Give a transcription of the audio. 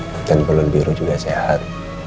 makan bolon biru juga sehat